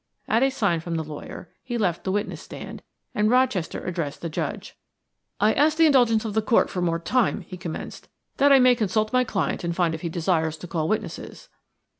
At a sign from the lawyer, he left the witness stand, and Rochester addressed the Judge. "I ask the indulgence of the court for more time," he commenced, "that I may consult my client and find if he desires to call witnesses."